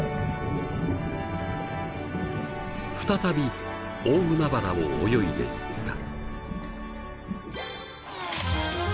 再び大海原を泳いでいった。